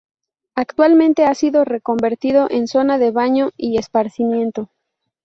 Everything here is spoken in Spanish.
Actualmente ha sido reconvertido en zona de baño y esparcimiento.